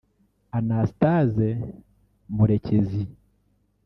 Anastase Murekezi